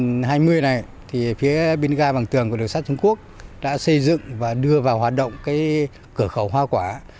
năm hai nghìn hai mươi này thì phía bên ga bằng tường của đường sắt trung quốc đã xây dựng và đưa vào hoạt động cái cửa khẩu hoa quả